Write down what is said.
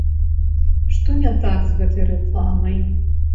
Што не так з гэтай рэкламай?